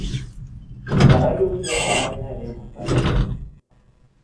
Garraiobideen garapena ere bultzatu du.